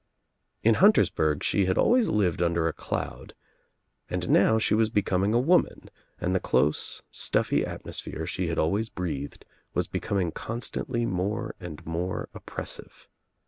In Huntersburg she had always lived under a cloud and now she was becoming a woman and the close stuffy atmosphere she had always breathed was be coming constantly more and more oppressive.